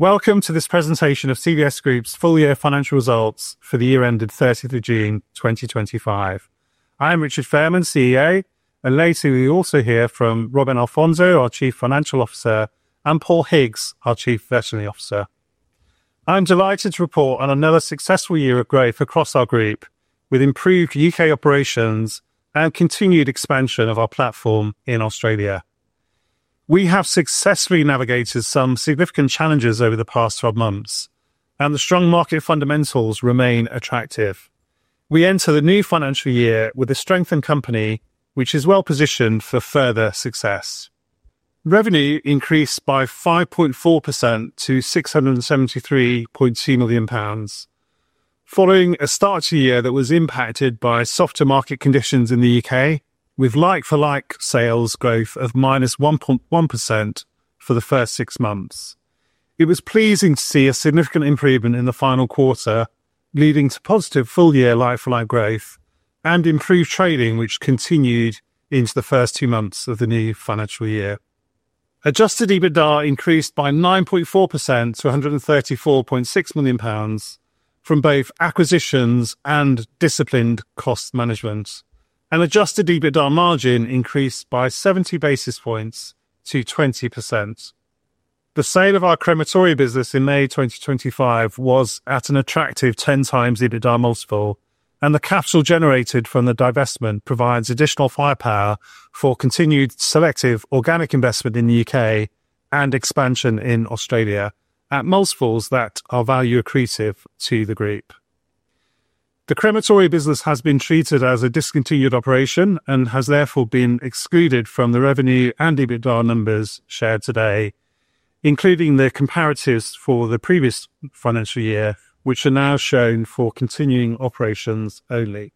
Welcome to this presentation of CVS Group PLC's full-year financial results for the year ended 30th of June, 2025. I am Richard Fairman, CEO, and later, we will also hear from Robin Alfonso, our Chief Financial Officer, and Paul Higgs, our Chief Veterinary Officer. I'm delighted to report on another successful year of growth across our group, with improved UK operations and continued expansion of our platform in Australia. We have successfully navigated some significant challenges over the past 12 months, and the strong market fundamentals remain attractive. We enter the new financial year with a strengthened company, which is well positioned for further success. Revenue increased by 5.4% to 673.2 million pounds, following a start to the year that was impacted by softer market conditions in the UK, with like-for-like sales growth of -1.1% for the first six months. It was pleasing to see a significant improvement in the final quarter, leading to positive full-year like-for-like growth and improved trading, which continued into the first two months of the new financial year. Adjusted EBITDA increased by 9.4% to 134.6 million pounds from both acquisitions and disciplined cost management. An adjusted EBITDA margin increased by 70 basis points to 20%. The sale of our crematory business in May 2025 was at an attractive 10x EBITDA multiple, and the capital generated from the divestment provides additional firepower for continued selective organic investment in the UK and expansion in Australia at multiples that are value accretive to the group. The crematory business has been treated as a discontinued operation and has therefore been excluded from the revenue and EBITDA numbers shared today, including the comparatives for the previous financial year, which are now shown for continuing operations only.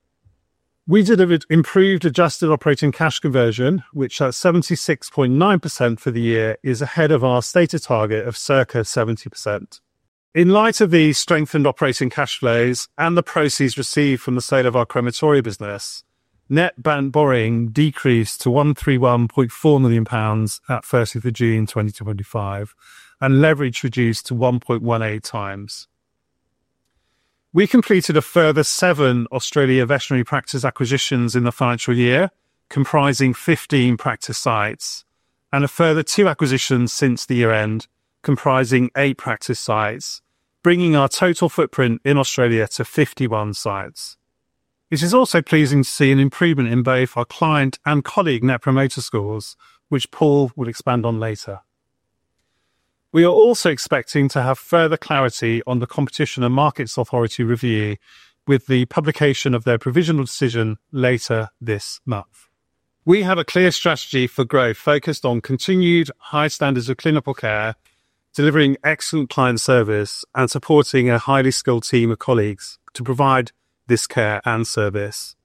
We did have an improved adjusted operating cash conversion, which at 76.9% for the year is ahead of our stated target of circa 70%. In light of these strengthened operating cash flows and the proceeds received from the sale of our crematory business, net borrowings decreased to 131.4 million pounds at 30th of June, 2025, and leverage reduced to 1.18 times. We completed a further seven Australia veterinary practice acquisitions in the financial year, comprising 15 practice sites, and a further two acquisitions since the year end, comprising eight practice sites, bringing our total footprint in Australia to 51 sites. It is also pleasing to see an improvement in both our client and colleague Net Promoter Scores, which Paul will expand on later. We are also expecting to have further clarity on the Competition and Markets Authority review with the publication of their provisional decision later this month. We have a clear strategy for growth focused on continued high standards of clinical care, delivering excellent client service, and supporting a highly skilled team of colleagues to provide this care and service.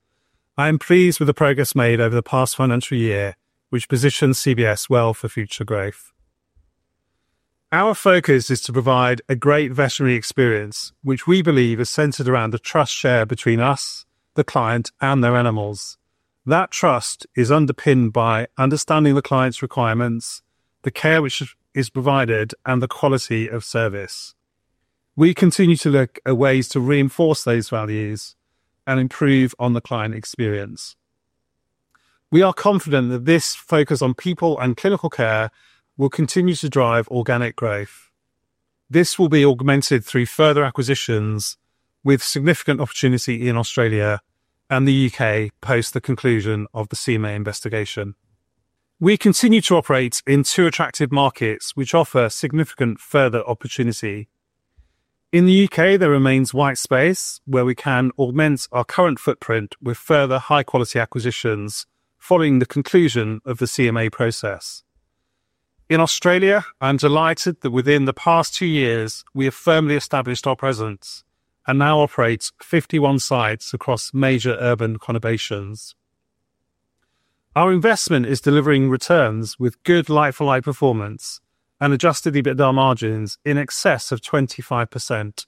I am pleased with the progress made over the past financial year, which positions CVS well for future growth. Our focus is to provide a great veterinary experience, which we believe is centered around the trust shared between us, the client, and their animals. That trust is underpinned by understanding the client's requirements, the care which is provided, and the quality of service. We continue to look at ways to reinforce those values and improve on the client experience. We are confident that this focus on people and clinical care will continue to drive organic growth. This will be augmented through further acquisitions with significant opportunity in Australia and the UK post the conclusion of the CMA investigation. We continue to operate in two attractive markets which offer significant further opportunity. In the UK, there remains white space where we can augment our current footprint with further high-quality acquisitions following the conclusion of the CMA process. In Australia, I'm delighted that within the past two years, we have firmly established our presence and now operate 51 sites across major urban conurbations. Our investment is delivering returns with good like-for-like performance and adjusted EBITDA margins in excess of 25%.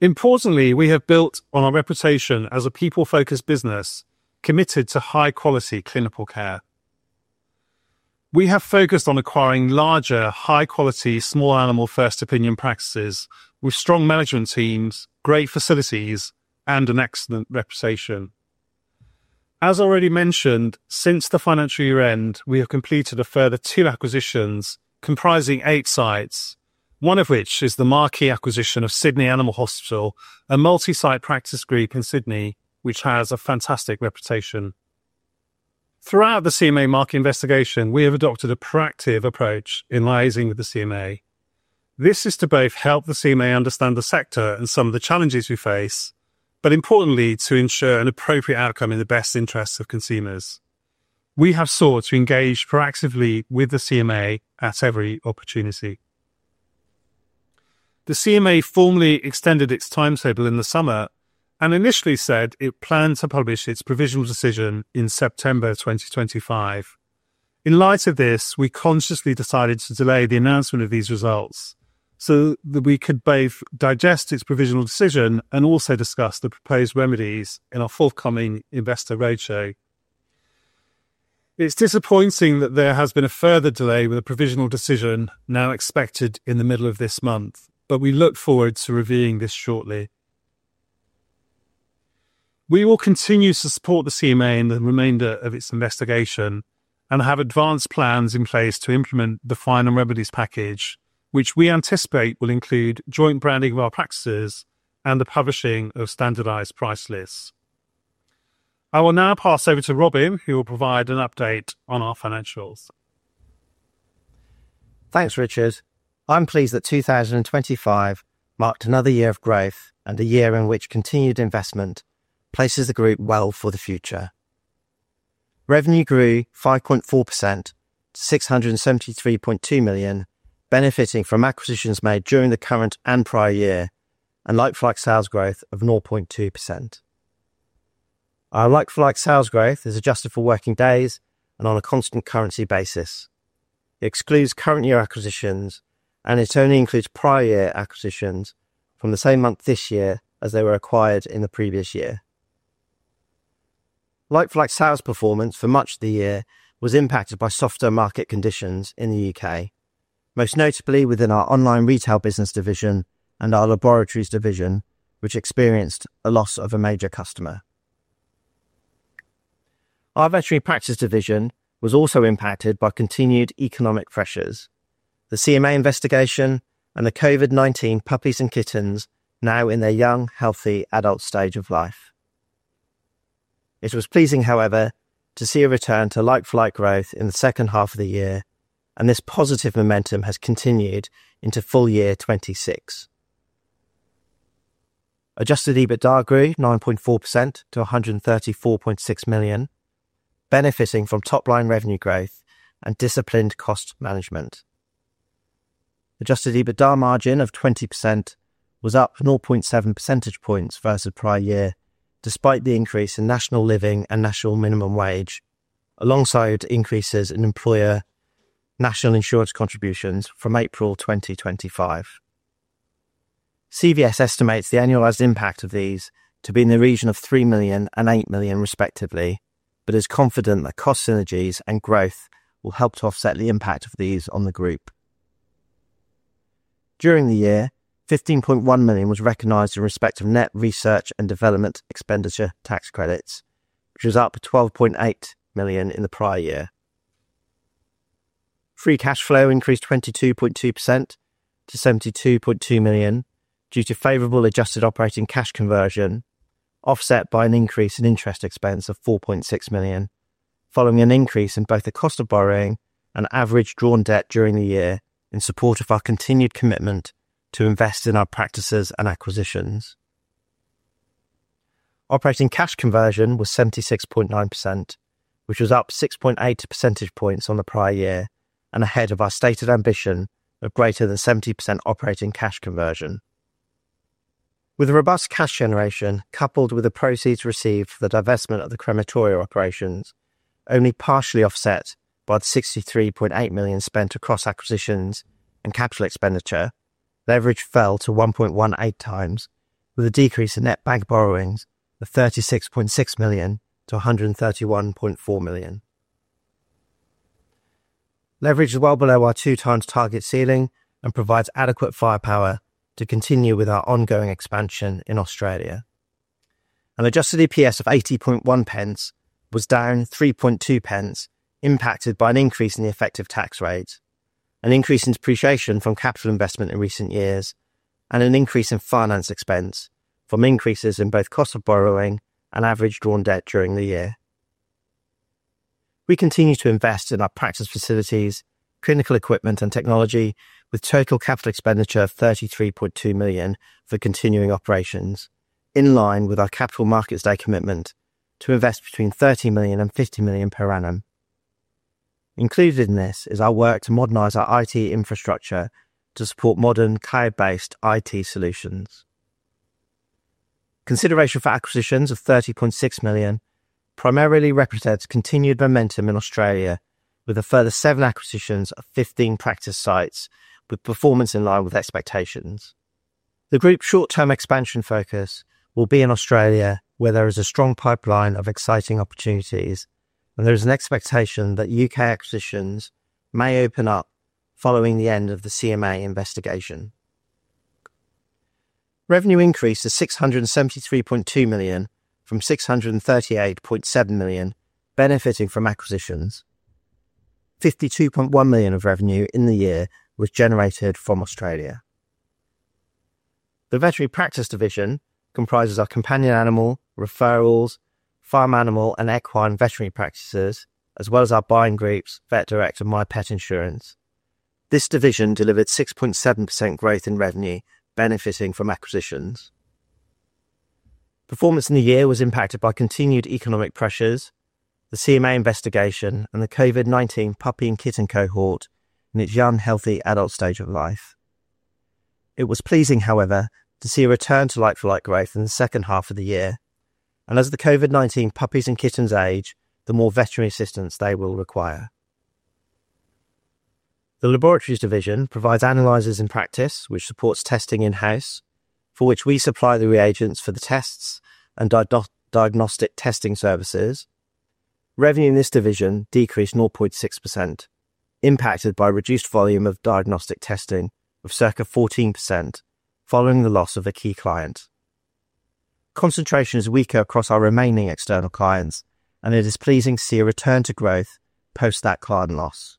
Importantly, we have built on our reputation as a people-focused business committed to high-quality clinical care. We have focused on acquiring larger, high-quality, small animal first opinion practices with strong management teams, great facilities, and an excellent reputation. As already mentioned, since the financial year end, we have completed a further two acquisitions comprising eight sites, one of which is the marquee acquisition of Sydney Animal Hospital, a multi-site practice group in Sydney, which has a fantastic reputation. Throughout the CMA market investigation, we have adopted a proactive approach in liaising with the CMA. This is to both help the CMA understand the sector and some of the challenges we face, but importantly, to ensure an appropriate outcome in the best interests of consumers. We have sought to engage proactively with the CMA at every opportunity. The CMA formally extended its timetable in the summer and initially said it planned to publish its provisional decision in September 2025. In light of this, we consciously decided to delay the announcement of these results so that we could both digest its provisional decision and also discuss the proposed remedies in our forthcoming investor roadshow. It's disappointing that there has been a further delay, with a provisional decision now expected in the middle of this month, but we look forward to reviewing this shortly. We will continue to support the CMA in the remainder of its investigation and have advanced plans in place to implement the final remedies package, which we anticipate will include joint branding of our practices and the publishing of standardized price lists. I will now pass over to Robin, who will provide an update on our financials. Thanks, Richard. I'm pleased that 2025 marked another year of growth and a year in which continued investment places the group well for the future. Revenue grew 5.4% to 673.2 million, benefiting from acquisitions made during the current and prior year, and like-for-like sales growth of 0.2%. Our like-for-like sales growth is adjusted for working days and on a constant currency basis. It excludes current year acquisitions, and it only includes prior year acquisitions from the same month this year as they were acquired in the previous year. Like-for-like sales performance for much of the year was impacted by softer market conditions in the UK, most notably within our online retail business division and our laboratory services division, which experienced a loss of a major customer. Our veterinary practices division was also impacted by continued economic pressures, the CMA investigation, and the COVID-19 puppies and kittens now in their young, healthy adult stage of life. It was pleasing, however, to see a return to like-for-like growth in the second half of the year, and this positive momentum has continued into full year 2026. Adjusted EBITDA grew 9.4% to 134.6 million, benefiting from top-line revenue growth and disciplined cost management. Adjusted EBITDA margin of 20% was up 0.7 percentage points versus prior year, despite the increase in national living and national minimum wage, alongside increases in employer national insurance contributions from April 2025. CVS estimates the annualized impact of these to be in the region of 3 million and 8 million, respectively, but is confident that cost synergies and growth will help to offset the impact of these on the group. During the year, 15.1 million was recognized in respect of net research and development expenditure tax credits, which was up to 12.8 million in the prior year. Free cash flow increased 22.2% to 72.2 million due to favorable adjusted operating cash conversion, offset by an increase in interest expense of 4.6 million, following an increase in both the cost of borrowing and average drawn debt during the year in support of our continued commitment to invest in our practices and acquisitions. Operating cash conversion was 76.9%, which was up 6.8 percentage points on the prior year and ahead of our stated ambition of greater than 70% operating cash conversion. With a robust cash generation coupled with the proceeds received for the divestment of the crematory business, only partially offset by the 63.8 million spent across acquisitions and capital expenditure, leverage fell to 1.18 times, with a decrease in net bank borrowings of 36.6 million to 131.4 million. Leverage is well below our two times target ceiling and provides adequate firepower to continue with our ongoing expansion in Australia. An adjusted EPS of 80.1 was down 3.2, impacted by an increase in the effective tax rate, an increase in depreciation from capital investment in recent years, and an increase in finance expense from increases in both cost of borrowing and average drawn debt during the year. We continue to invest in our practice facilities, clinical equipment, and technology, with total capital expenditure of 33.2 million for continuing operations, in line with our Capital Markets Day commitment to invest between 30 million and 50 million per annum. Included in this is our work to modernize our IT infrastructure to support modern cloud-based IT solutions. Consideration for acquisitions of 30.6 million primarily represents continued momentum in Australia, with a further seven acquisitions of 15 practice sites with performance in line with expectations. The group's short-term expansion focus will be in Australia, where there is a strong pipeline of exciting opportunities, and there is an expectation that UK acquisitions may open up following the end of the CMA investigation. Revenue increased to 673.2 million from 638.7 million, benefiting from acquisitions. 52.1 million of revenue in the year was generated from Australia. The veterinary practice division comprises our companion animal, referrals, farm animal, and equine veterinary practices, as well as our buying groups, Vet Direct, and MyPet Insurance. This division delivered 6.7% growth in revenue, benefiting from acquisitions. Performance in the year was impacted by continued economic pressures, the CMA investigation, and the COVID-19 puppy and kitten cohort in its young, healthy adult stage of life. It was pleasing, however, to see a return to like-for-like growth in the second half of the year, and as the COVID-19 puppies and kittens age, the more veterinary assistance they will require. The laboratories division provides analyzers in practice, which supports testing in-house, for which we supply the reagents for the tests and diagnostic testing services. Revenue in this division decreased 0.6%, impacted by a reduced volume of diagnostic testing of circa 14% following the loss of a key client. Concentration is weaker across our remaining external clients, and it is pleasing to see a return to growth post that client loss.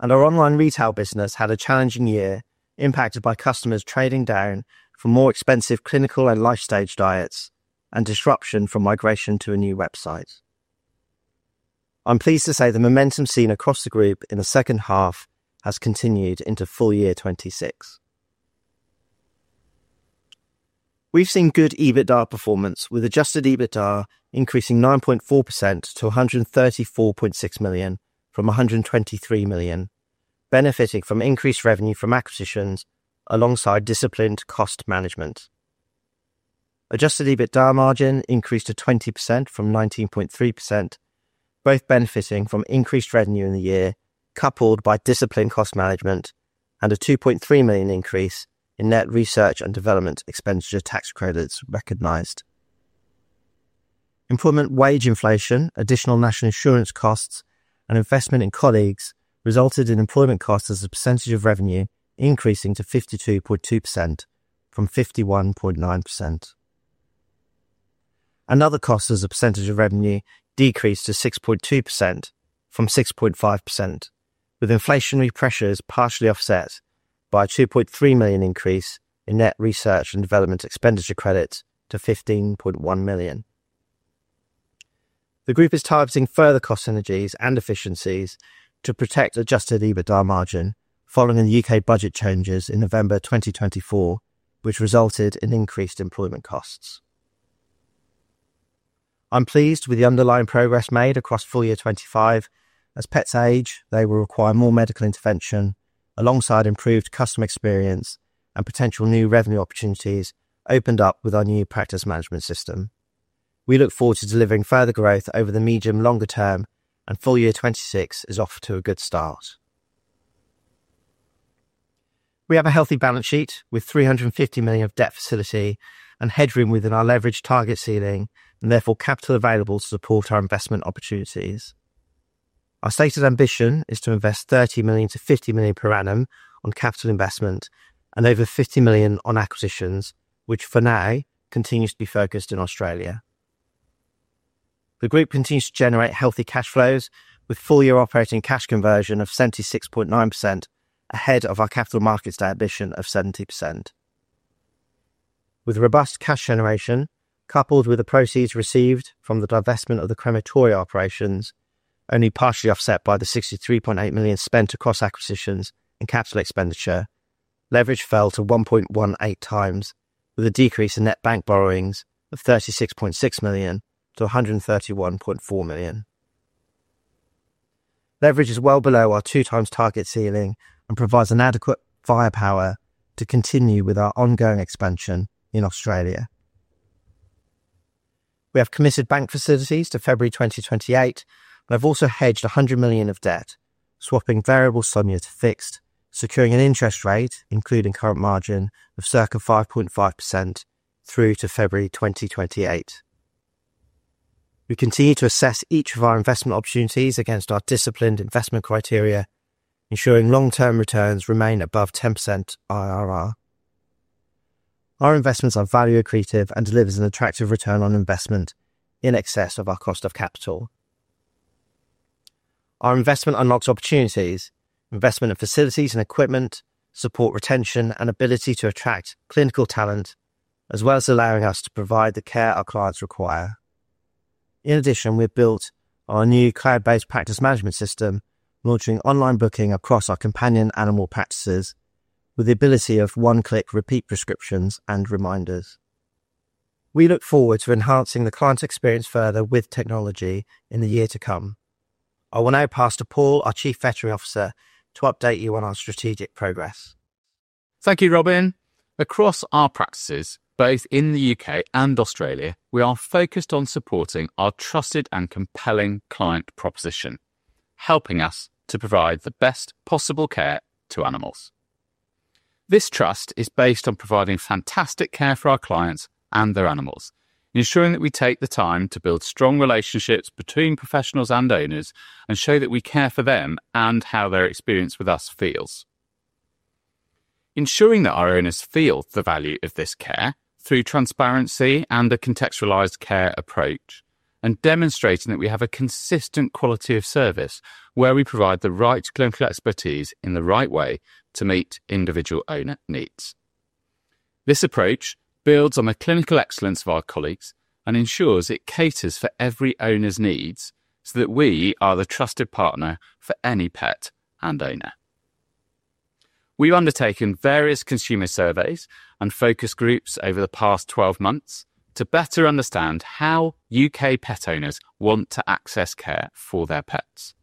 Our online retail business had a challenging year, impacted by customers trading down for more expensive clinical and life stage diets and disruption from migration to a new website. I'm pleased to say the momentum seen across the group in the second half has continued into full year 2026. We've seen good EBITDA performance, with adjusted EBITDA increasing 9.4% to 134.6 million from 123 million, benefiting from increased revenue from acquisitions alongside disciplined cost management. Adjusted EBITDA margin increased to 20% from 19.3%, both benefiting from increased revenue in the year, coupled with disciplined cost management and a 2.3 million increase in net research and development expenditure tax credits recognized. Employment wage inflation, additional national insurance costs, and investment in colleagues resulted in employment costs as a percentage of revenue increasing to 52.2% from 51.9%. Other costs as a percentage of revenue decreased to 6.2% from 6.5%, with inflationary pressures partially offset by a 2.3 million increase in net research and development expenditure credits to 15.1 million. The group is targeting further cost synergies and efficiencies to protect adjusted EBITDA margin following the UK budget changes in November 2024, which resulted in increased employment costs. I'm pleased with the underlying progress made across full year 2025, as pets age, they will require more medical intervention, alongside improved customer experience and potential new revenue opportunities opened up with our new practice management system. We look forward to delivering further growth over the medium-longer term, and full year 2026 is off to a good start. We have a healthy balance sheet with 350 million of debt facility and headroom within our leverage target ceiling, and therefore capital available to support our investment opportunities. Our stated ambition is to invest 30 million-50 million per annum on capital investment and over 50 million on acquisitions, which for now continues to be focused in Australia. The group continues to generate healthy cash flows with full-year operating cash conversion of 76.9% ahead of our Capital Markets Day ambition of 70%. With robust cash generation, coupled with the proceeds received from the divestment of the crematory business, only partially offset by the 63.8 million spent across acquisitions and CapEx, leverage fell to 1.18 times, with a decrease in net bank borrowings of 36.6 million to 131.4 million. Leverage is well below our two times target ceiling and provides adequate firepower to continue with our ongoing expansion in Australia. We have committed bank facilities to February 2028, and I've also hedged 100 million of debt, swapping variable SONIA to fixed, securing an interest rate, including current margin, of circa 5.5% through to February 2028. We continue to assess each of our investment opportunities against our disciplined investment criteria, ensuring long-term returns remain above 10% IRR. Our investments are value accretive and deliver an attractive return on investment in excess of our cost of capital. Our investment unlocks opportunities. Investment in facilities and equipment support retention and ability to attract clinical talent, as well as allowing us to provide the care our clients require. In addition, we've built our new cloud-based practice management system, launching online booking across our companion animal practices with the ability of one-click repeat prescriptions and reminders. We look forward to enhancing the client's experience further with technology in the year to come. I will now pass to Paul, our Chief Veterinary Officer, to update you on our strategic progress. Thank you, Robin. Across our practices, both in the UK and Australia, we are focused on supporting our trusted and compelling client proposition, helping us to provide the best possible care to animals. This trust is based on providing fantastic care for our clients and their animals, ensuring that we take the time to build strong relationships between professionals and owners and show that we care for them and how their experience with us feels. Ensuring that our owners feel the value of this care through transparency and a contextualized care approach, and demonstrating that we have a consistent quality of service where we provide the right clinical expertise in the right way to meet individual owner needs. This approach builds on the clinical excellence of our colleagues and ensures it caters for every owner's needs so that we are the trusted partner for any pet and owner. We have undertaken various consumer surveys and focus groups over the past 12 months to better understand how UK pet owners want to access care for their pets.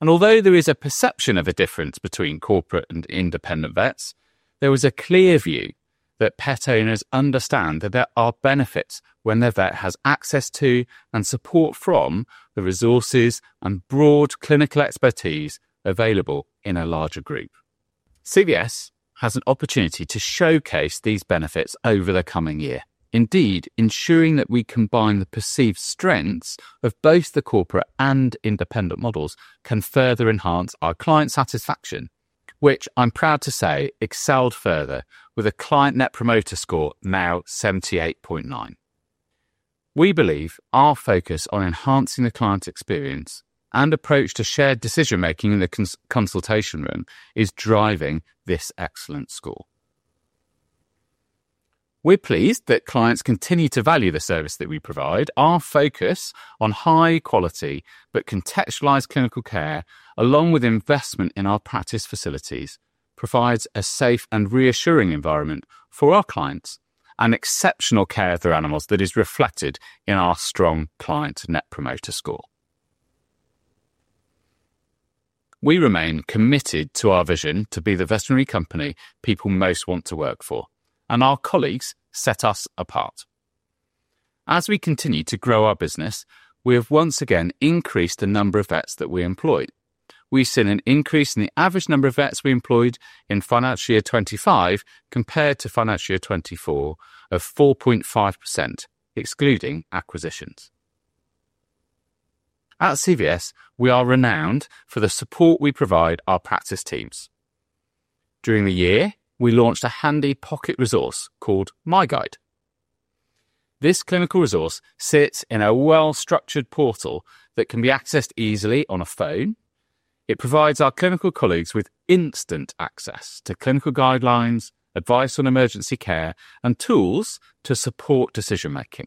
Although there is a perception of a difference between corporate and independent vets, there is a clear view that pet owners understand that there are benefits when their vet has access to and support from the resources and broad clinical expertise available in a larger group. CVS has an opportunity to showcase these benefits over the coming year. Indeed, ensuring that we combine the perceived strengths of both the corporate and independent models can further enhance our client satisfaction, which I'm proud to say excelled further with a client Net Promoter Score now 78.9. We believe our focus on enhancing the client's experience and approach to shared decision making in the consultation room is driving this excellent score. We're pleased that clients continue to value the service that we provide. Our focus on high quality but contextualized clinical care, along with investment in our practice facilities, provides a safe and reassuring environment for our clients and exceptional care of their animals that is reflected in our strong client Net Promoter Score. We remain committed to our vision to be the veterinary company people most want to work for, and our colleagues set us apart. As we continue to grow our business, we have once again increased the number of vets that we employed. We've seen an increase in the average number of vets we employed in financial year 2025 compared to financial year 2024 of 4.5%, excluding acquisitions. At CVS, we are renowned for the support we provide our practice teams. During the year, we launched a handy pocket resource called My Guide. This clinical resource sits in a well-structured portal that can be accessed easily on a phone. It provides our clinical colleagues with instant access to clinical guidelines, advice on emergency care, and tools to support decision making.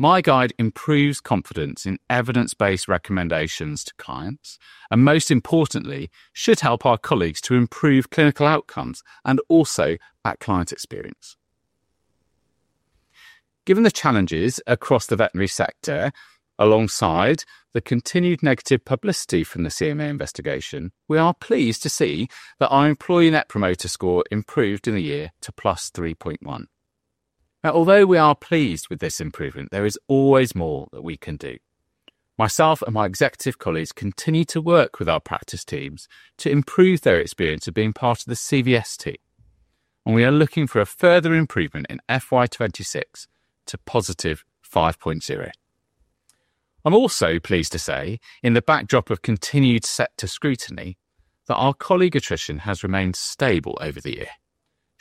My Guide improves confidence in evidence-based recommendations to clients, and most importantly, should help our colleagues to improve clinical outcomes and also that client experience. Given the challenges across the veterinary sector, alongside the continued negative publicity from the CMA investigation, we are pleased to see that our employee Net Promoter Score improved in the year to +3.1. Although we are pleased with this improvement, there is always more that we can do. Myself and my executive colleagues continue to work with our practice teams to improve their experience of being part of the CVS team, and we are looking for a further improvement in FY 2026 to +5.0. I'm also pleased to say, in the backdrop of continued sector scrutiny, that our colleague attrition has remained stable over the year,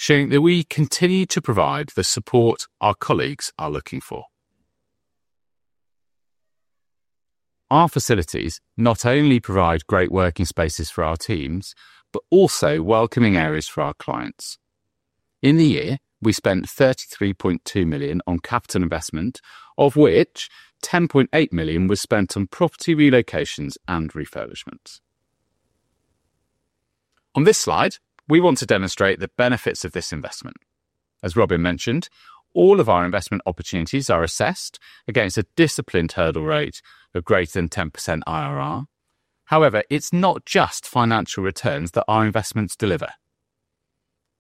showing that we continue to provide the support our colleagues are looking for. Our facilities not only provide great working spaces for our teams, but also welcoming areas for our clients. In the year, we spent 33.2 million on capital investment, of which 10.8 million was spent on property relocations and refurbishments. On this slide, we want to demonstrate the benefits of this investment. As Robin mentioned, all of our investment opportunities are assessed against a disciplined hurdle rate of greater than 10% IRR. However, it's not just financial returns that our investments deliver.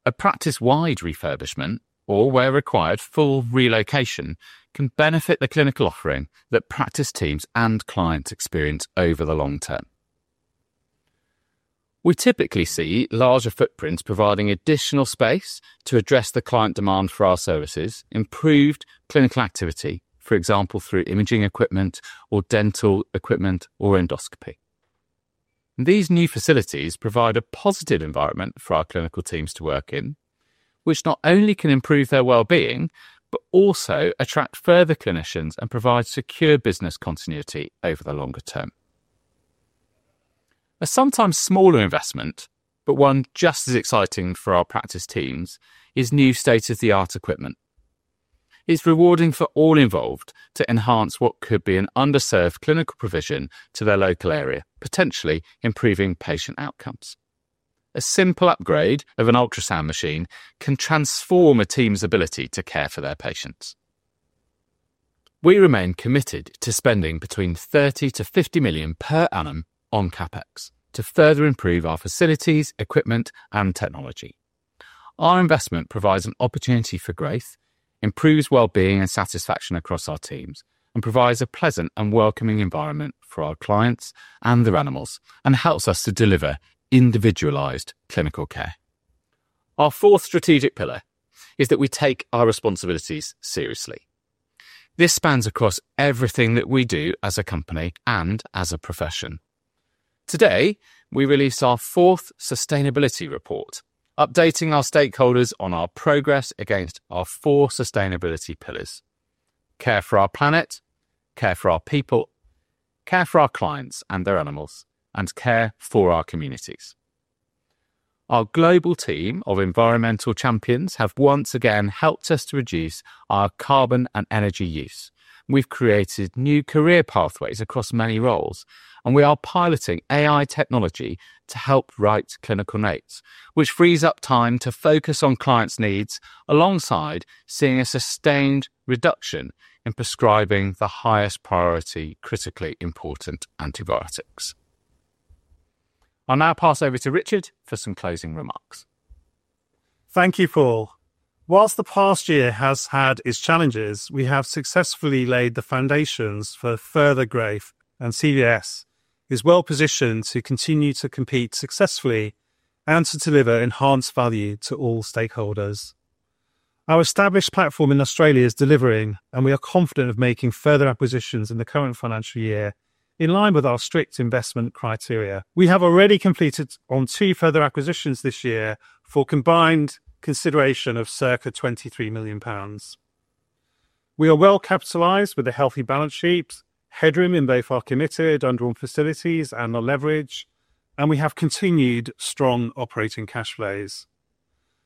A practice-wide refurbishment, or where required, full relocation can benefit the clinical offering that practice teams and clients experience over the long term. We typically see larger footprints providing additional space to address the client demand for our services, improved clinical activity, for example, through imaging equipment or dental equipment or endoscopy. These new facilities provide a positive environment for our clinical teams to work in, which not only can improve their well-being, but also attract further clinicians and provide secure business continuity over the longer term. A sometimes smaller investment, but one just as exciting for our practice teams, is new state-of-the-art equipment. It's rewarding for all involved to enhance what could be an underserved clinical provision to their local area, potentially improving patient outcomes. A simple upgrade of an ultrasound machine can transform a team's ability to care for their patients. We remain committed to spending between 30 million-50 million per annum on CapEx to further improve our facilities, equipment, and technology. Our investment provides an opportunity for growth, improves well-being and satisfaction across our teams, and provides a pleasant and welcoming environment for our clients and their animals, and helps us to deliver individualized clinical care. Our fourth strategic pillar is that we take our responsibilities seriously. This spans across everything that we do as a company and as a profession. Today, we release our fourth sustainability report, updating our stakeholders on our progress against our four sustainability pillars: care for our planet, care for our people, care for our clients and their animals, and care for our communities. Our global team of environmental champions have once again helped us to reduce our carbon and energy use. We've created new career pathways across many roles, and we are piloting AI technology to help write clinical notes, which frees up time to focus on clients' needs alongside seeing a sustained reduction in prescribing the highest priority, critically important antibiotics. I'll now pass over to Richard for some closing remarks. Thank you, Paul. Whilst the past year has had its challenges, we have successfully laid the foundations for further growth, and CVS is well positioned to continue to compete successfully and to deliver enhanced value to all stakeholders. Our established platform in Australia is delivering, and we are confident of making further acquisitions in the current financial year in line with our strict investment criteria. We have already completed two further acquisitions this year for a combined consideration of approximately 23 million pounds. We are well capitalized with a healthy balance sheet, headroom in both our committed and dorm facilities and on leverage, and we have continued strong operating cash flows.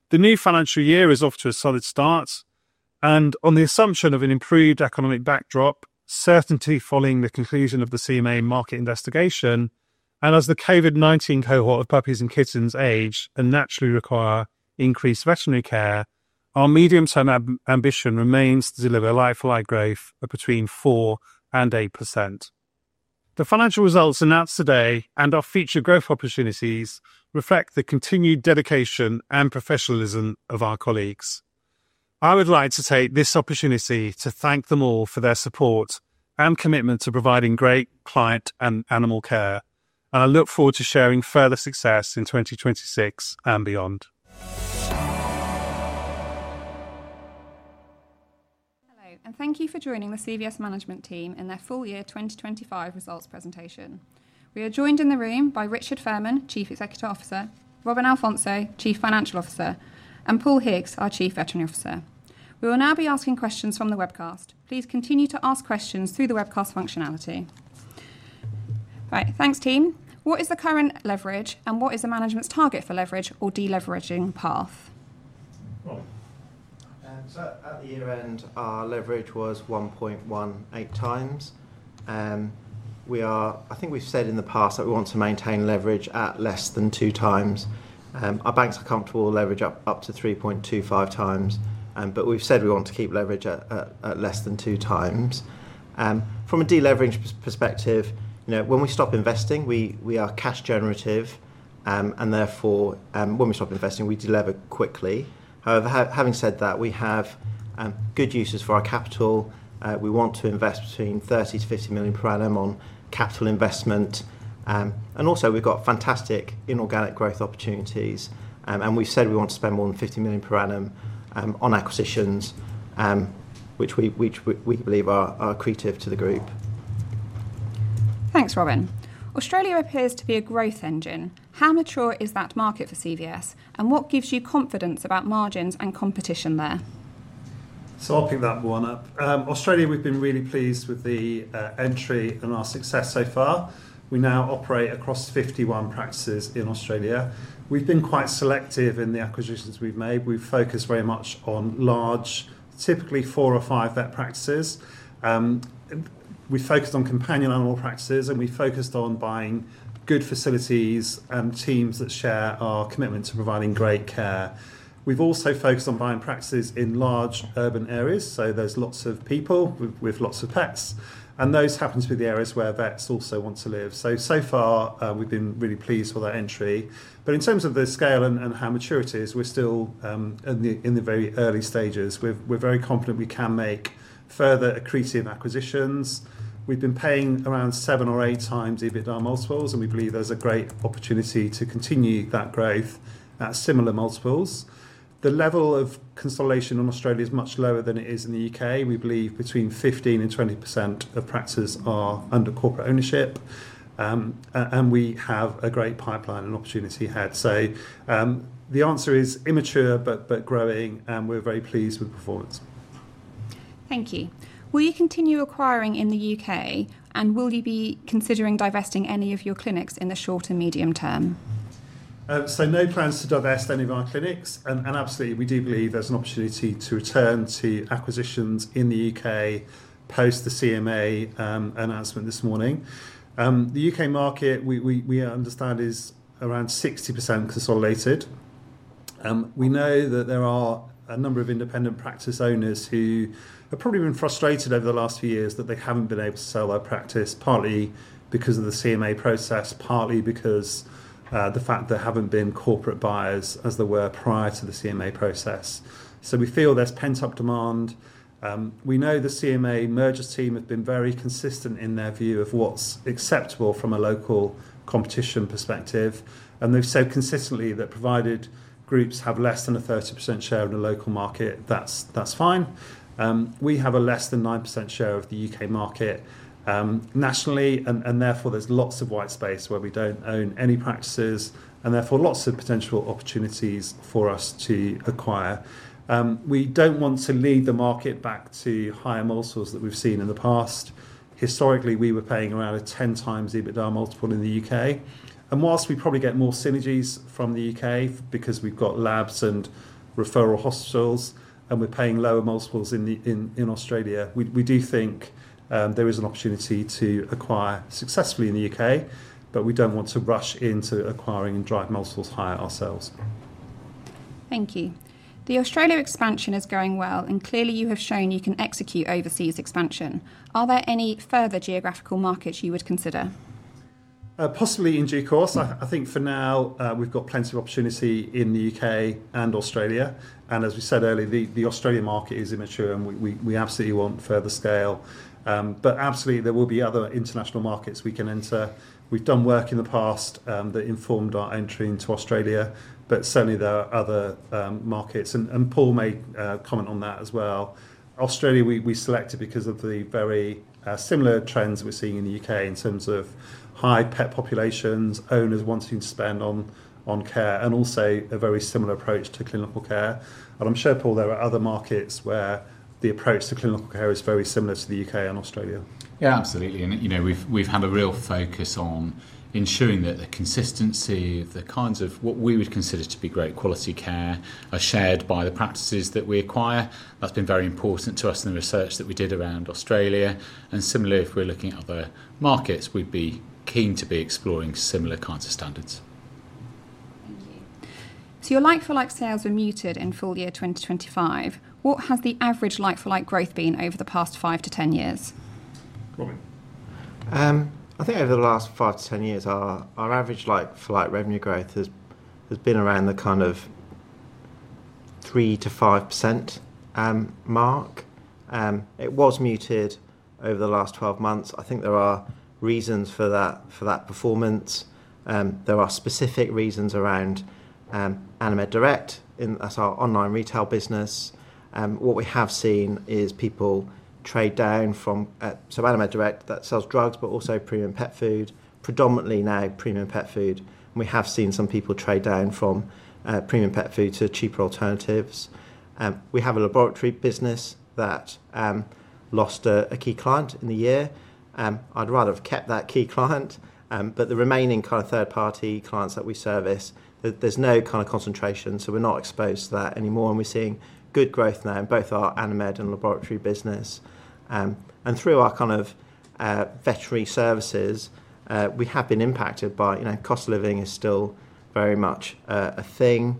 The new financial year is off to a solid start, and on the assumption of an improved economic backdrop, certainty following the conclusion of the CMA market investigation, and as the COVID-19 cohort of puppies and kittens age and naturally require increased veterinary care, our medium-term ambition remains to deliver a like-for-like growth of between 4% and 8%. The financial results announced today and our future growth opportunities reflect the continued dedication and professionalism of our colleagues. I would like to take this opportunity to thank them all for their support and commitment to providing great client and animal care, and I look forward to sharing further success in 2026 and beyond. Hello, and thank you for joining the CVS Management Team in their full year 2025 results presentation. We are joined in the room by Richard Fairman, Chief Executive Officer, Robin Alfonso, Chief Financial Officer, and Paul Higgs, our Chief Veterinary Officer. We will now be asking questions from the webcast. Please continue to ask questions through the webcast functionality. All right, thanks, team. What is the current leverage, and what is the management's target for leverage or deleveraging path? At the year end, our leverage was 1.18x. I think we've said in the past that we want to maintain leverage at less than 2x. Our banks are comfortable leveraging up to 3.25x, but we've said we want to keep leverage at less than 2x. From a deleverage perspective, when we stop investing, we are cash generative, and therefore, when we stop investing, we delever quickly. However, having said that, we have good uses for our capital. We want to invest between 30 million-50 million per annum on capital investment, and also, we've got fantastic inorganic growth opportunities, and we've said we want to spend more than 50 million per annum on acquisitions, which we believe are accretive to the group. Thanks, Robin. Australia appears to be a growth engine. How mature is that market for CVS, and what gives you confidence about margins and competition there? I'll pick that one up. Australia, we've been really pleased with the entry and our success so far. We now operate across 51 practices in Australia. We've been quite selective in the acquisitions we've made. We've focused very much on large, typically four or five vet practices. We've focused on companion animal practices, and we've focused on buying good facilities and teams that share our commitment to providing great care. We've also focused on buying practices in large urban areas, so there's lots of people with lots of pets, and those happen to be the areas where vets also want to live. So far, we've been really pleased with that entry. In terms of the scale and how mature it is, we're still in the very early stages. We're very confident we can make further accretion acquisitions. We've been paying around seven or eight times EBITDA multiples, and we believe there's a great opportunity to continue that growth at similar multiples. The level of consolidation in Australia is much lower than it is in the UK. We believe between 15% and 20% of practices are under corporate ownership, and we have a great pipeline and opportunity ahead. The answer is immature, but growing, and we're very pleased with performance. Thank you. Will you continue acquiring in the UK, and will you be considering divesting any of your clinics in the short and medium term? There are no plans to divest any of our clinics, and absolutely, we do believe there's an opportunity to return to acquisitions in the UK post the CMA announcement this morning. The UK market, we understand, is around 60% consolidated. We know that there are a number of independent practice owners who have probably been frustrated over the last few years that they haven't been able to sell their practice, partly because of the CMA process, partly because of the fact that there haven't been corporate buyers, as there were prior to the CMA process. We feel there's pent-up demand. We know the CMA mergers team have been very consistent in their view of what's acceptable from a local competition perspective, and they've said consistently that provided groups have less than a 30% share in a local market, that's fine. We have a less than 9% share of the UK market nationally, and therefore, there's lots of white space where we don't own any practices, and therefore, lots of potential opportunities for us to acquire. We don't want to lead the market back to higher multiples that we've seen in the past. Historically, we were paying around a 10x EBITDA multiple in the UK, and whilst we probably get more synergies from the UK because we've got labs and referral hospitals, and we're paying lower multiples in Australia, we do think there is an opportunity to acquire successfully in the UK, but we don't want to rush into acquiring and drive multiples higher ourselves. Thank you. The Australia expansion is going well, and clearly, you have shown you can execute overseas expansion. Are there any further geographical markets you would consider? Possibly in due course. I think for now, we've got plenty of opportunity in the UK and Australia, and as we said earlier, the Australian market is immature, and we absolutely want further scale. Absolutely, there will be other international markets we can enter. We've done work in the past that informed our entry into Australia. Certainly, there are other markets, and Paul may comment on that as well. Australia, we selected because of the very similar trends we're seeing in the UK in terms of high pet populations, owners wanting to spend on care, and also a very similar approach to clinical care. I'm sure, Paul, there are other markets where the approach to clinical care is very similar to the UK and Australia. Absolutely, and you know, we've had a real focus on ensuring that the consistency of the kinds of what we would consider to be great quality care are shared by the practices that we acquire. That's been very important to us in the research that we did around Australia, and similarly, if we're looking at other markets, we'd be keen to be exploring similar kinds of standards. Thank you. Your like-for-like sales are muted in full year 2025. What has the average like-for-like growth been over the past 5-10 years? I think over the last 5-10 years, our average like-for-like revenue growth has been around the kind of 3%-5% mark. It was muted over the last 12 months. I think there are reasons for that performance. There are specific reasons around Animed Direct, and that's our online retail business. What we have seen is people trade down from, so Animed Direct that sells drugs, but also premium pet food, predominantly now premium pet food, and we have seen some people trade down from premium pet food to cheaper alternatives. We have a laboratory business that lost a key client in the year. I'd rather have kept that key client, but the remaining kind of third-party clients that we service, there's no kind of concentration, so we're not exposed to that anymore, and we're seeing good growth now in both our Animed and laboratory business. Through our kind of veterinary services, we have been impacted by, you know, cost of living is still very much a thing.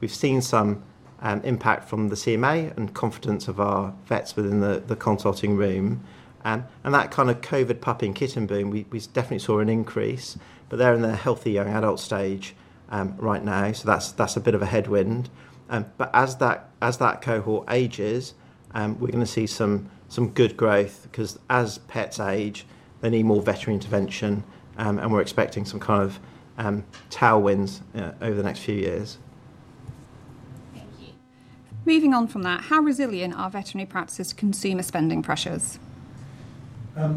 We've seen some impact from the CMA and confidence of our vets within the consulting room, and that kind of COVID puppy and kitten boom, we definitely saw an increase, but they're in their healthy young adult stage right now, so that's a bit of a headwind. As that cohort ages, we're going to see some good growth because as pets age, they need more veterinary intervention, and we're expecting some kind of tailwinds over the next few years. Thank you. Moving on from that, how resilient are veterinary practice consumer spending pressures?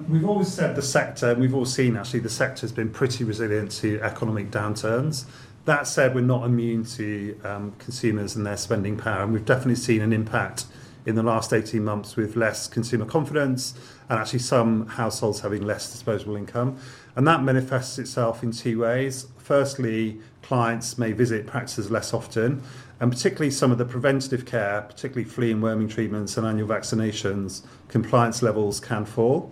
We've always said the sector, and we've all seen actually, the sector has been pretty resilient to economic downturns. That said, we're not immune to consumers and their spending power, and we've definitely seen an impact in the last 18 months with less consumer confidence and actually some households having less disposable income, and that manifests itself in two ways. Firstly, clients may visit practices less often, and particularly some of the preventative care, particularly flea and worming treatments and annual vaccinations, compliance levels can fall.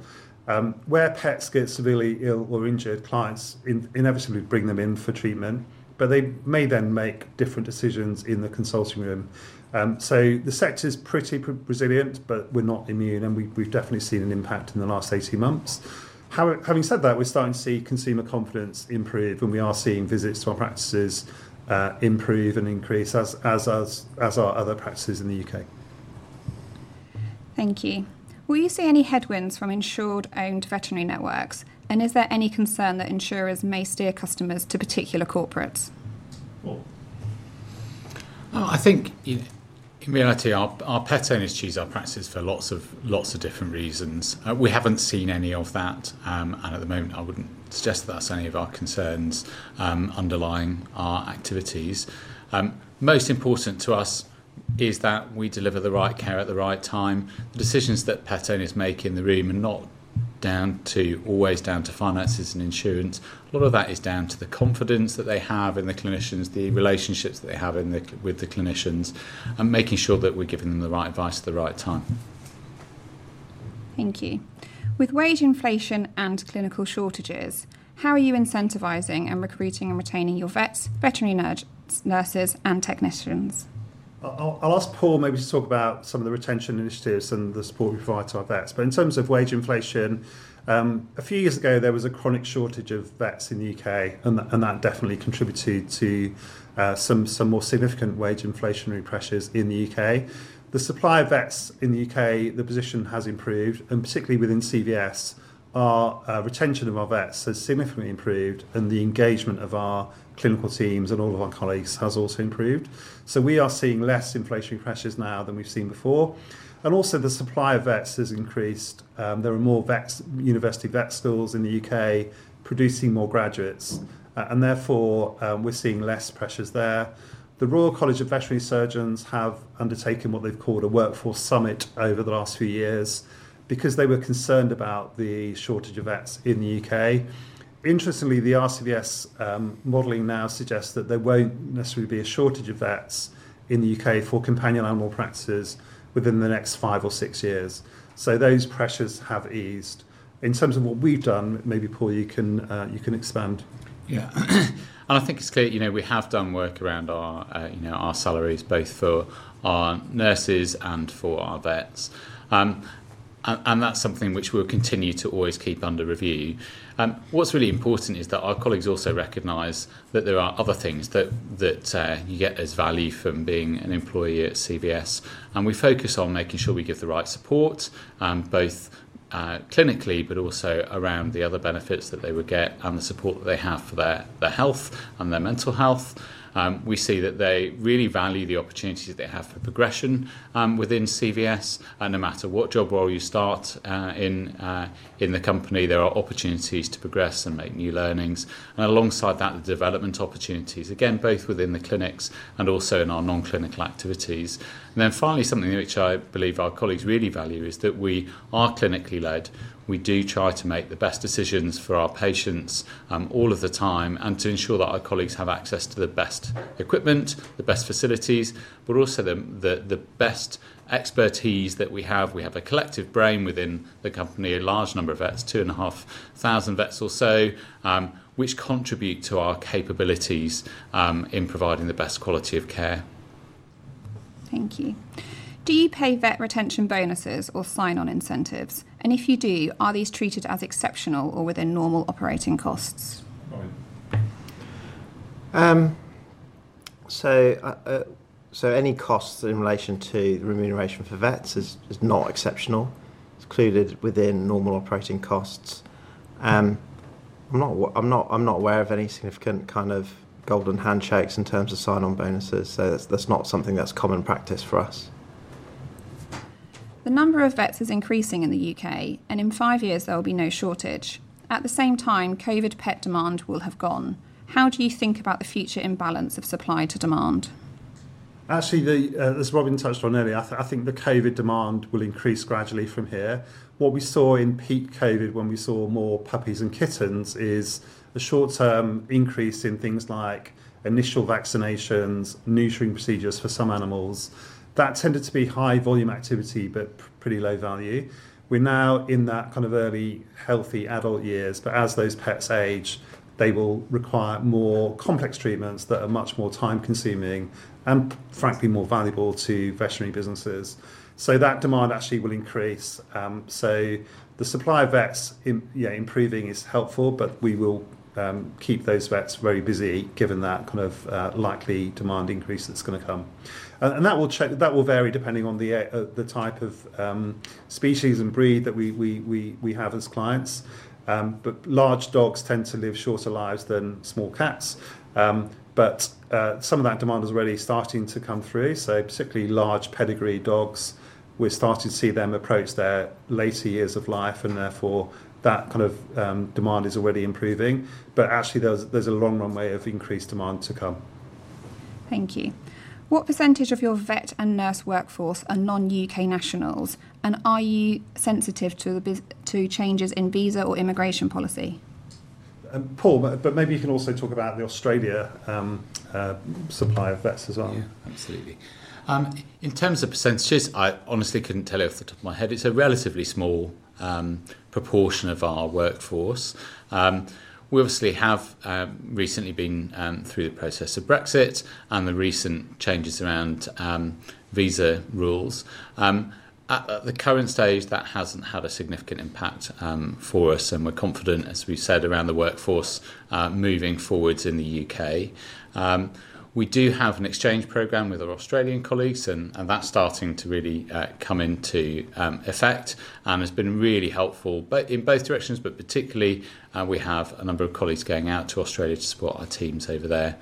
Where pets get severely ill or injured, clients inevitably bring them in for treatment, but they may then make different decisions in the consulting room. The sector is pretty resilient, but we're not immune, and we've definitely seen an impact in the last 18 months. Having said that, we're starting to see consumer confidence improve, and we are seeing visits to our practices improve and increase as are other practices in the UK. Thank you. Will you see any headwinds from insured-owned veterinary networks, and is there any concern that insurers may steer customers to particular corporates? I think in reality, our pet owners choose our practices for lots of different reasons. We haven't seen any of that, and at the moment, I wouldn't suggest that that's any of our concerns underlying our activities. Most important to us is that we deliver the right care at the right time. The decisions that pet owners make in the room are not always down to finances and insurance. A lot of that is down to the confidence that they have in the clinicians, the relationships that they have with the clinicians, and making sure that we're giving them the right advice at the right time. Thank you. With wage inflation and clinical shortages, how are you incentivizing and recruiting and retaining your vets, veterinary nurses, and technicians? I'll ask Paul maybe to talk about some of the retention initiatives and the support we provide to our vets. In terms of wage inflation, a few years ago, there was a chronic shortage of vets in the UK, and that definitely contributed to some more significant wage inflationary pressures in the UK. The supply of vets in the UK, the position has improved, and particularly within CVS, our retention of our vets has significantly improved, and the engagement of our clinical teams and all of our colleagues has also improved. We are seeing less inflationary pressures now than we've seen before, and also, the supply of vets has increased. There are more university vet schools in the UK producing more graduates, and therefore, we're seeing less pressures there. The Royal College of Veterinary Surgeons have undertaken what they've called a workforce summit over the last few years because they were concerned about the shortage of vets in the UK. Interestingly, the RCVS modeling now suggests that there won't necessarily be a shortage of vets in the UK for companion animal practices within the next five or six years, so those pressures have eased. In terms of what we've done, maybe, Paul, you can expand. Yeah, and I think it's clear, you know, we have done work around our salaries both for our nurses and for our vets, and that's something which we'll continue to always keep under review. What's really important is that our colleagues also recognize that there are other things that you get as value from being an employee at CVS, and we focus on making sure we give the right support both clinically, but also around the other benefits that they would get and the support that they have for their health and their mental health. We see that they really value the opportunities that they have for progression within CVS, and no matter what job role you start in the company, there are opportunities to progress and make new learnings, and alongside that, the development opportunities, again, both within the clinics and also in our non-clinical activities. Finally, something which I believe our colleagues really value is that we are clinically led. We do try to make the best decisions for our patients all of the time and to ensure that our colleagues have access to the best equipment, the best facilities, but also the best expertise that we have. We have a collective brain within the company, a large number of vets, 2,500 vets or so, which contribute to our capabilities in providing the best quality of care. Thank you. Do you pay vet retention bonuses or sign-on incentives, and if you do, are these treated as exceptional or within normal operating costs? Any costs in relation to the remuneration for vets is not exceptional. It's included within normal operating costs. I'm not aware of any significant kind of golden handshakes in terms of sign-on bonuses, so that's not something that's common practice for us. The number of vets is increasing in the UK, and in five years, there will be no shortage. At the same time, COVID pet demand will have gone. How do you think about the future imbalance of supply to demand? Actually, as Robin touched on earlier, I think the COVID demand will increase gradually from here. What we saw in peak COVID when we saw more puppies and kittens is a short-term increase in things like initial vaccinations, neutering procedures for some animals. That tended to be high-volume activity, but pretty low value. We're now in that kind of early healthy adult years, but as those pets age, they will require more complex treatments that are much more time-consuming and frankly more valuable to veterinary businesses. That demand actually will increase. The supply of vets improving is helpful, but we will keep those vets very busy given that kind of likely demand increase that's going to come. That will vary depending on the type of species and breed that we have as clients, but large dogs tend to live shorter lives than small cats, but some of that demand is already starting to come through. Particularly large pedigree dogs, we're starting to see them approach their later years of life, and therefore, that kind of demand is already improving, but actually, there's a long runway of increased demand to come. Thank you. What percentage of your vet and nurse workforce are non-UK nationals, and are you sensitive to changes in visa or immigration policy? Paul, maybe you can also talk about the Australia supply of vets as well. Yeah, absolutely. In terms of percentage, I honestly couldn't tell you off the top of my head. It's a relatively small proportion of our workforce. We obviously have recently been through the process of Brexit and the recent changes around visa rules. At the current stage, that hasn't had a significant impact for us, and we're confident, as we said, around the workforce moving forwards in the UK. We do have an exchange program with our Australian colleagues, and that's starting to really come into effect and has been really helpful in both directions, particularly, we have a number of colleagues going out to Australia to support our teams over there.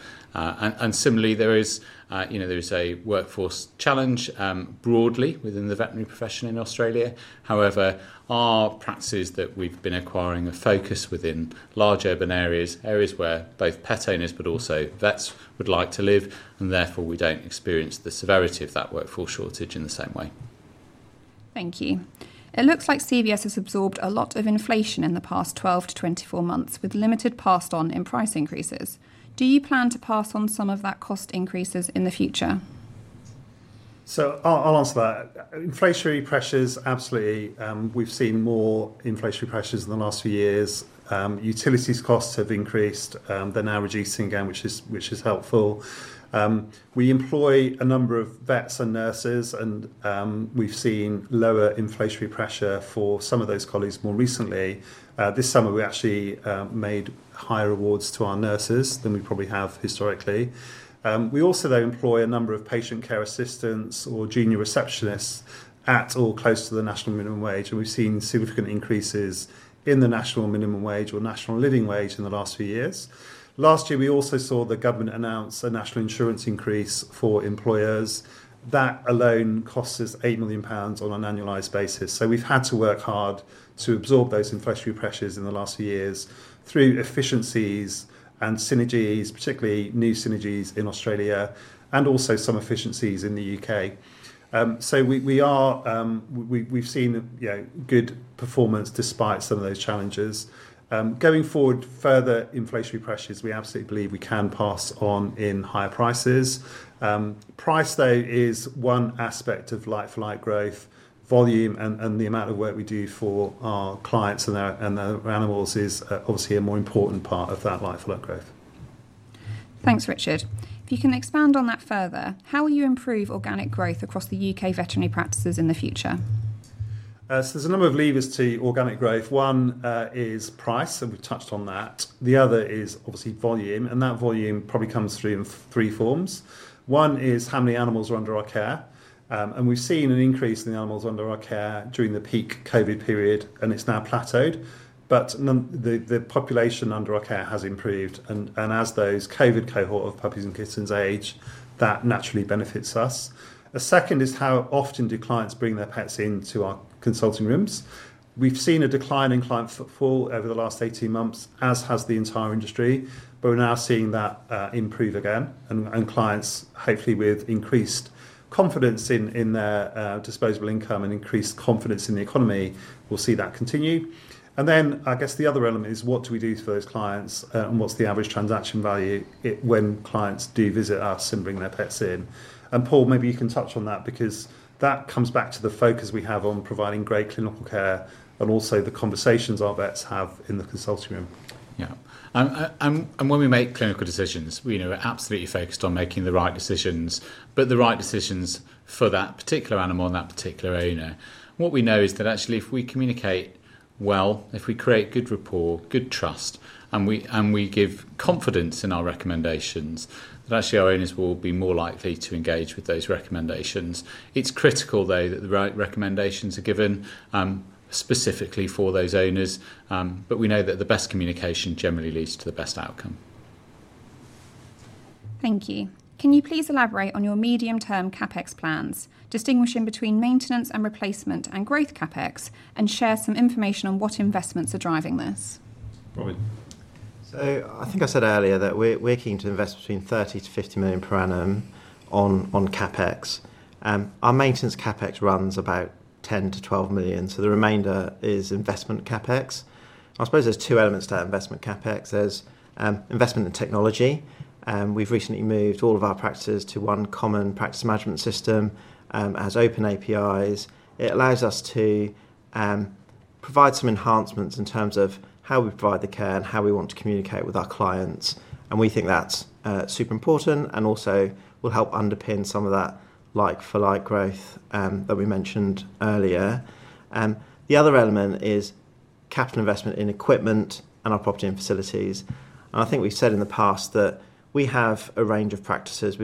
Similarly, there is a workforce challenge broadly within the veterinary profession in Australia. However, our practices that we've been acquiring are focused within large urban areas, areas where both pet owners but also vets would like to live, and therefore, we don't experience the severity of that workforce shortage in the same way. Thank you. It looks like CVS has absorbed a lot of inflation in the past 12-24 months with limited passed on in price increases. Do you plan to pass on some of that cost increases in the future? I'll answer that. Inflationary pressures, absolutely, we've seen more inflationary pressures in the last few years. Utilities costs have increased. They're now reducing again, which is helpful. We employ a number of vets and nurses, and we've seen lower inflationary pressure for some of those colleagues more recently. This summer, we actually made higher awards to our nurses than we probably have historically. We also employ a number of patient care assistants or junior receptionists at or close to the national minimum wage, and we've seen significant increases in the national minimum wage or national living wage in the last few years. Last year, we also saw the government announce a national insurance increase for employers. That alone costs us 8 million pounds on an annualized basis, so we've had to work hard to absorb those inflationary pressures in the last few years through efficiencies and synergies, particularly new synergies in Australia and also some efficiencies in the UK. We've seen good performance despite some of those challenges. Going forward, further inflationary pressures, we absolutely believe we can pass on in higher prices. Price, though, is one aspect of like-for-like growth. Volume and the amount of work we do for our clients and their animals is obviously a more important part of that like-for-like growth. Thanks, Richard. If you can expand on that further, how will you improve organic growth across the UK veterinary practices in the future? There are a number of levers to organic growth. One is price, and we've touched on that. The other is obviously volume, and that volume probably comes through in three forms. One is how many animals are under our care, and we've seen an increase in the animals under our care during the peak COVID period, and it's now plateaued, but the population under our care has improved, and as those COVID cohort of puppies and kittens age, that naturally benefits us. A second is how often clients bring their pets into our consulting rooms. We've seen a decline in client footfall over the last 18 months, as has the entire industry, but we're now seeing that improve again, and clients, hopefully with increased confidence in their disposable income and increased confidence in the economy, will see that continue. I guess the other element is what we do for those clients, and what's the average transaction value when clients do visit us and bring their pets in. Paul, maybe you can touch on that because that comes back to the focus we have on providing great clinical care and also the conversations our vets have in the consulting room. When we make clinical decisions, we are absolutely focused on making the right decisions, the right decisions for that particular animal and that particular owner. What we know is that actually, if we communicate well, if we create good rapport, good trust, and we give confidence in our recommendations, our owners will be more likely to engage with those recommendations. It's critical, though, that the right recommendations are given specifically for those owners. We know that the best communication generally leads to the best outcome. Thank you. Can you please elaborate on your medium-term CapEx plans, distinguishing between maintenance and replacement and growth CapEx, and share some information on what investments are driving this? I think I said earlier that we're keen to invest between 30 million-GBP50 million per annum on CapEx. Our maintenance CapEx runs about 10 million-12 million, so the remainder is investment CapEx. I suppose there's two elements to that investment CapEx. There's investment in technology. We've recently moved all of our practices to one common practice management system that has open APIs. It allows us to provide some enhancements in terms of how we provide the care and how we want to communicate with our clients, and we think that's super important and also will help underpin some of that like-for-like growth that we mentioned earlier. The other element is capital investment in equipment and our property and facilities. I think we've said in the past that we have a range of practices.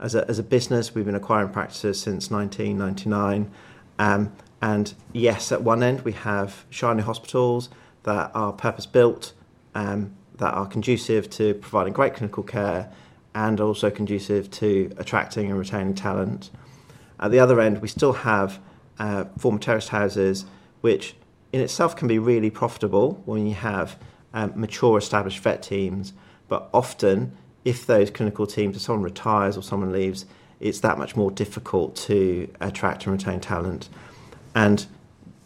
As a business, we've been acquiring practices since 1999, and at one end, we have shiny hospitals that are purpose-built, that are conducive to providing great clinical care and also conducive to attracting and retaining talent. At the other end, we still have former terraced houses, which in itself can be really profitable when you have mature established vet teams, but often, if those clinical teams or someone retires or someone leaves, it's that much more difficult to attract and retain talent.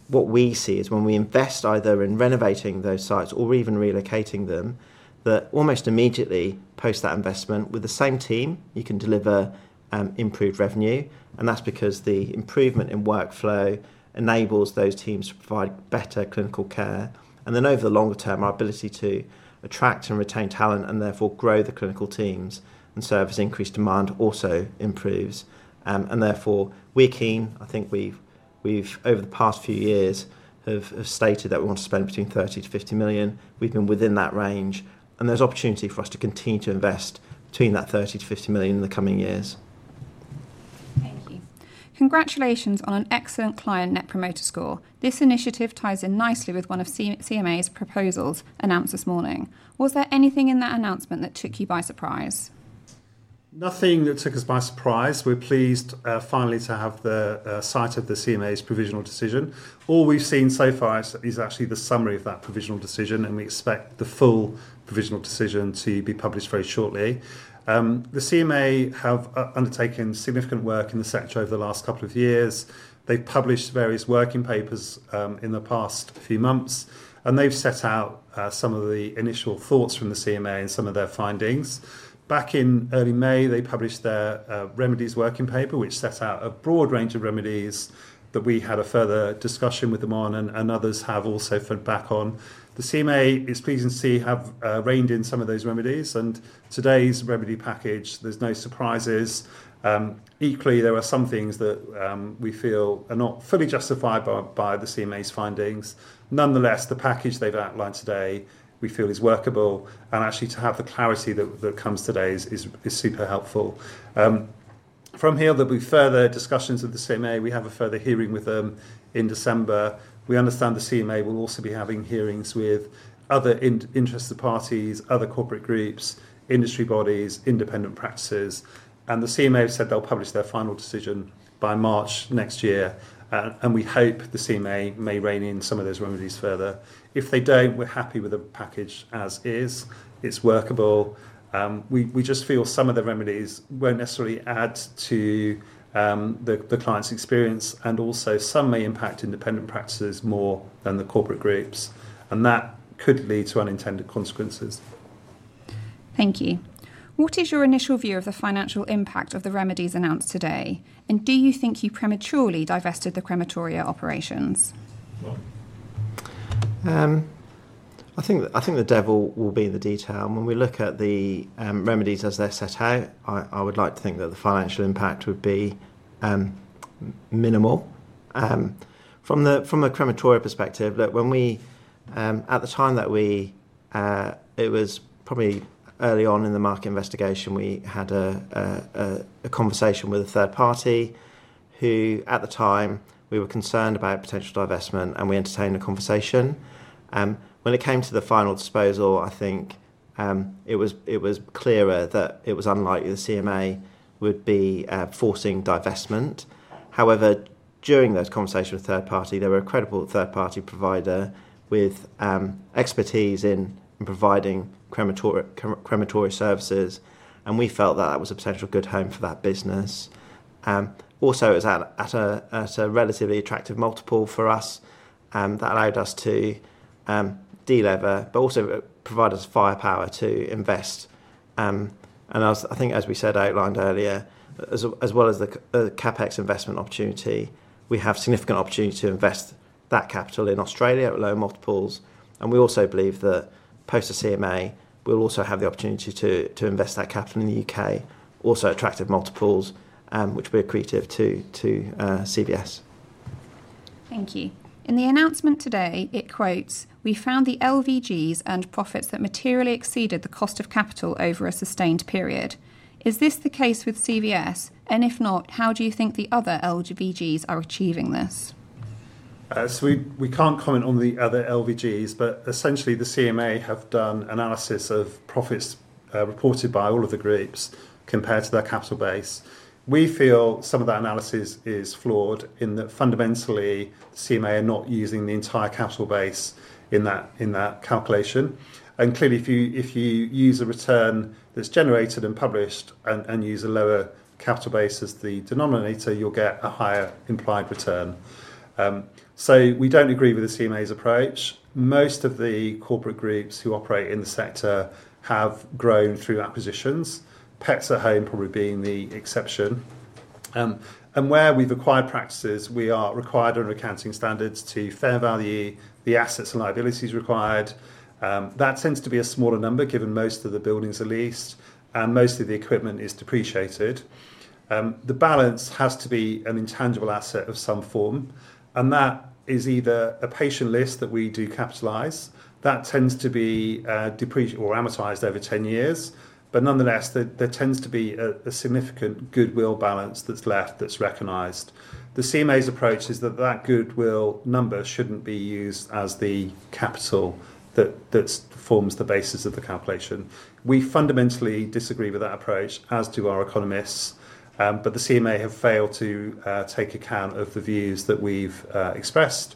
What we see is when we invest either in renovating those sites or even relocating them, almost immediately post that investment, with the same team, you can deliver improved revenue, and that's because the improvement in workflow enables those teams to provide better clinical care. Over the longer term, our ability to attract and retain talent and therefore grow the clinical teams and serve as increased demand also improves, and therefore, we're keen. I think we've, over the past few years, stated that we want to spend between 30 million-50 million. We've been within that range, and there's opportunity for us to continue to invest between that 30 million-50 million in the coming years. Thank you. Congratulations on an excellent client Net Promoter Score. This initiative ties in nicely with one of the CMA's proposals announced this morning. Was there anything in that announcement that took you by surprise? Nothing that took us by surprise. We're pleased finally to have cited the CMA's provisional decision. All we've seen so far is actually the summary of that provisional decision, and we expect the full provisional decision to be published very shortly. The CMA have undertaken significant work in the sector over the last couple of years. They've published various working papers in the past few months, and they've set out some of the initial thoughts from the CMA and some of their findings. Back in early May, they published their Remedies Working Paper, which set out a broad range of remedies that we had a further discussion with them on and others have also fed back on. The CMA is pleased to see have reined in some of those remedies, and today's remedy package, there's no surprises. Equally, there are some things that we feel are not fully justified by the CMA's findings. Nonetheless, the package they've outlined today we feel is workable, and actually to have the clarity that comes today is super helpful. From here, there'll be further discussions with the CMA. We have a further hearing with them in December. We understand the CMA will also be having hearings with other interested parties, other corporate groups, industry bodies, independent practices, and the CMA have said they'll publish their final decision by March next year, and we hope the CMA may rein in some of those remedies further. If they don't, we're happy with the package as is. It's workable. We just feel some of the remedies won't necessarily add to the client's experience, and also some may impact independent practices more than the corporate groups, and that could lead to unintended consequences. Thank you. What is your initial view of the financial impact of the remedies announced today, and do you think you prematurely divested the crematory business? I think the devil will be in the detail. When we look at the remedies as they're set out, I would like to think that the financial impact would be minimal. From a crematory business perspective, at the time that we, it was probably early on in the market investigation, we had a conversation with a third party who, at the time, we were concerned about potential divestment, and we entertained a conversation. When it came to the final disposal, I think it was clearer that it was unlikely the CMA would be forcing divestment. However, during those conversations with the third party, they were a credible third-party provider with expertise in providing crematory services, and we felt that that was a potential good home for that business. Also, it was at a relatively attractive multiple for us that allowed us to delever, but also provide us firepower to invest. I think, as we said outlined earlier, as well as the CapEx investment opportunity, we have significant opportunity to invest that capital in Australia at low multiples, and we also believe that post the CMA we'll also have the opportunity to invest that capital in the UK, also at attractive multiples, which will be accretive to CVS. Thank you. In the announcement today, it quotes, "We found the LVGs earned profits that materially exceeded the cost of capital over a sustained period." Is this the case with CVS, and if not, how do you think the other LVGs are achieving this? We can't comment on the other LVGs, but essentially, the CMA have done analysis of profits reported by all of the groups compared to their capital base. We feel some of that analysis is flawed in that fundamentally, the CMA are not using the entire capital base in that calculation, and clearly, if you use a return that's generated and published and use a lower capital base as the denominator, you'll get a higher implied return. We don't agree with the CMA's approach. Most of the corporate groups who operate in the sector have grown through acquisitions, Pets at Home probably being the exception, and where we've acquired practices, we are required under accounting standards to fair value the assets and liabilities required. That tends to be a smaller number given most of the buildings are leased and most of the equipment is depreciated. The balance has to be an intangible asset of some form, and that is either a patient list that we do capitalize. That tends to be depreciated or amortized over 10 years, but nonetheless, there tends to be a significant goodwill balance that's left that's recognized. The CMA's approach is that that goodwill number shouldn't be used as the capital that forms the basis of the calculation. We fundamentally disagree with that approach as do our economists, but the CMA have failed to take account of the views that we've expressed,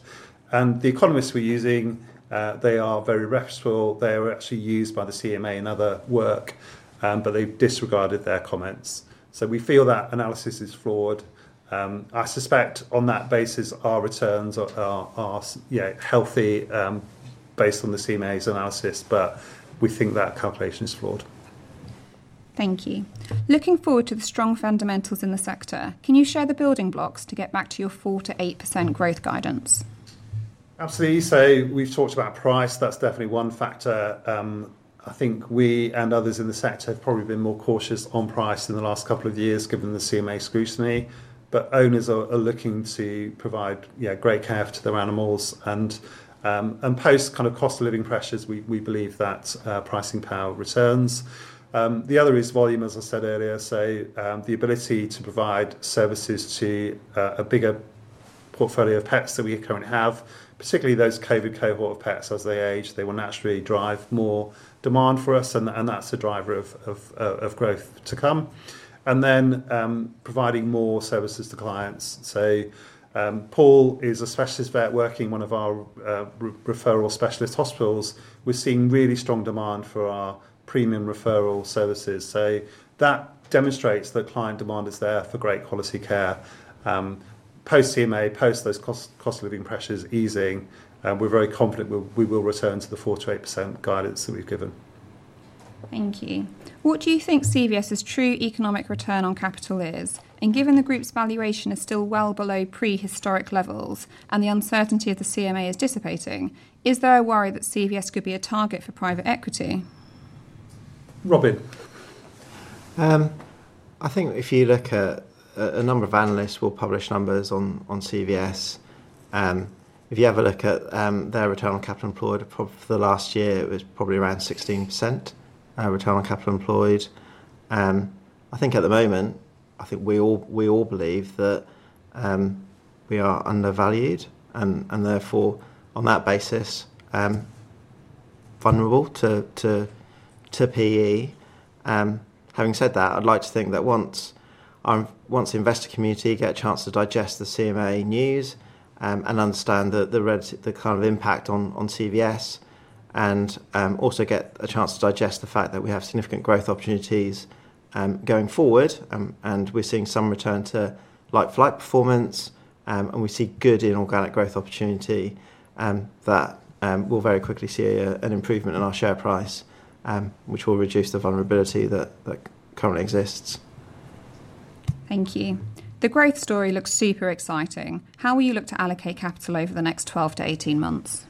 and the economists we're using, they are very reputable. They are actually used by the CMA in other work, but they've disregarded their comments. We feel that analysis is flawed. I suspect on that basis, our returns are healthy based on the CMA's analysis, but we think that calculation is flawed. Thank you. Looking forward to the strong fundamentals in the sector, can you share the building blocks to get back to your 4% to 8% growth guidance? Absolutely. We've talked about price. That's definitely one factor. I think we and others in the sector have probably been more cautious on price in the last couple of years given the CMA scrutiny, but owners are looking to provide great care to their animals, and post kind of cost of living pressures, we believe that pricing power returns. The other is volume, as I said earlier, the ability to provide services to a bigger portfolio of pets that we currently have, particularly those COVID cohort of pets. As they age, they will naturally drive more demand for us, and that's a driver of growth to come, then providing more services to clients. Paul is a specialist vet working in one of our referral specialist hospitals. We're seeing really strong demand for our premium referral services, so that demonstrates that client demand is there for great quality care. Post CMA, post those cost of living pressures easing, we're very confident we will return to the 4% to 8% guidance that we've given. Thank you. What do you think CVS's true economic return on capital is, and given the group's valuation is still well below prehistoric levels and the uncertainty of the CMA is dissipating, is there a worry that CVS could be a target for private equity? I think if you look at a number of analysts who will publish numbers on CVS, if you ever look at their return on capital employed for the last year, it was probably around 16% return on capital employed. I think at the moment, we all believe that we are undervalued and therefore, on that basis, vulnerable to PE. Having said that, I'd like to think that once the investor community get a chance to digest the CMA news and understand the kind of impact on CVS and also get a chance to digest the fact that we have significant growth opportunities going forward, we're seeing some return to like-for-like performance, and we see good inorganic growth opportunity, that we'll very quickly see an improvement in our share price, which will reduce the vulnerability that currently exists. Thank you. The growth story looks super exciting. How will you look to allocate capital over the next 12 to 18 months?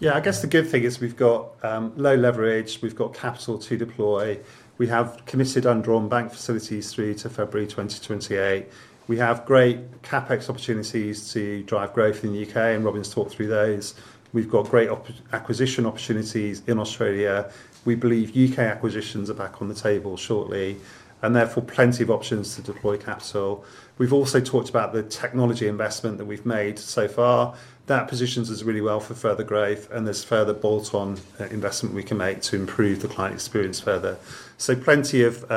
I guess the good thing is we've got low leverage. We've got capital to deploy. We have committed undrawn bank facilities through to February 2028. We have great CapEx opportunities to drive growth in the UK, and Robin's talked through those. We've got great acquisition opportunities in Australia. We believe UK acquisitions are back on the table shortly, and therefore, plenty of options to deploy capital. We've also talked about the technology investment that we've made so far. That positions us really well for further growth, and there's further bolt-on investment we can make to improve the client experience further. Plenty of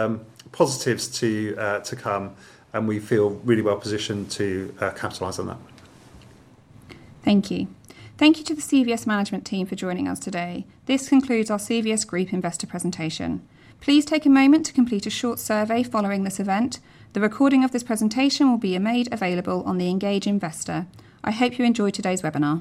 positives to come, and we feel really well positioned to capitalize on that. Thank you. Thank you to the CVS Management Team for joining us today. This concludes our CVS Group Investor Presentation. Please take a moment to complete a short survey following this event. The recording of this presentation will be made available on the Engage Investor. I hope you enjoyed today's webinar.